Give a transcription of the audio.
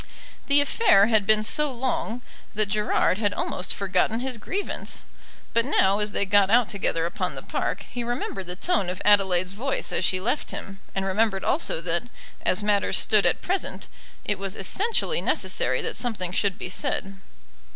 The affair had been so long that Gerard had almost forgotten his grievance. But now as they got out together upon the park, he remembered the tone of Adelaide's voice as she left him, and remembered also that, as matters stood at present, it was essentially necessary that something should be said.